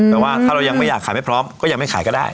แต่ว่าถ้าเรายังไม่อยากขายไม่พร้อมก็ยังไม่ขายก็ได้